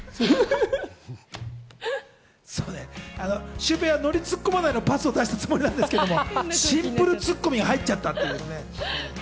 シュウペイはのりつっこまないのパスを出したつもりなんですけど、シンプルツッコミが入っちゃったっていう。